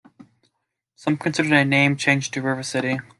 Some considered a name change to River City.